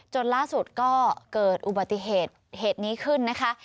จนล่าสุดก็เกิดอุบัติเหตุนี้ขึ้นนะคะ